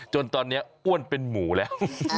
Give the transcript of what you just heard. จนตอนนี้อ้วนเป็นหมูแล้ว